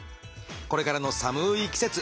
これからの寒い季節